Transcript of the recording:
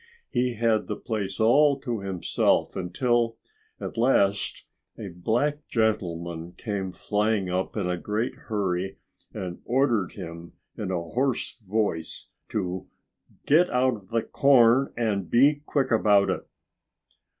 He had the place all to himself until at last a black gentleman came flying up in a great hurry and ordered him in a hoarse voice to "get out of the corn and be quick about it!"